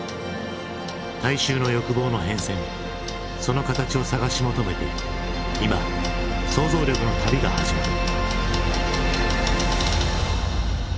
大衆の欲望の変遷その形を探し求めて今想像力の旅が始まる。